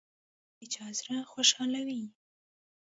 چاکلېټ د چا زړه خوشحالوي.